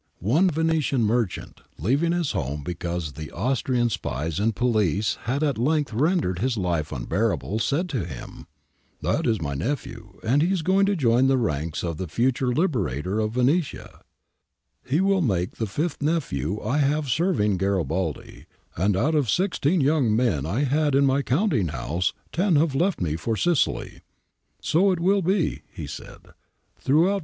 One Venetian merchant, leaving his home because the Austrian spies and police had at length rendered his life unbearable, said to him :' That is my nephew, and he is going to join the ranks of the future liberator of Venetia. He will make the fifth nephew I shall have servnng Garibaldi, and out of sixteen young men I had in my counting house ten have left me ' for Sicily. ' So it will be,' he said, ' throughout ^ Milan MSS. A. B. Plico B, sec. G. Bertani, ii.